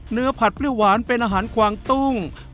ผัดเปรี้ยวหวานเป็นอาหารกวางตุ้ง